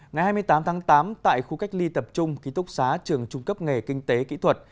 ngày hai mươi tám tháng tám tại khu cách ly tập trung ký túc xá trường trung cấp nghề kinh tế kỹ thuật